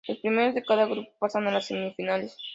Los primeros de cada grupo pasan a las semifinales.